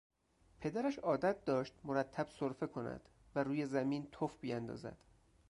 پدرش عادت داشت مرتب سرفه کند و روی زمین تف بیاندازد.